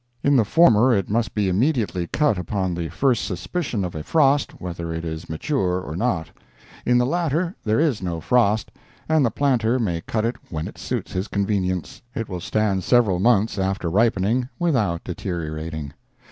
In the former it must be immediately cut upon the first suspicion of a frost, whether it is mature or not—in the latter there is no frost, and the planter may cut it when it suits his convenience; it will stand several months after ripening without deteriorating.